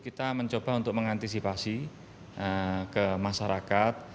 kita mencoba untuk mengantisipasi ke masyarakat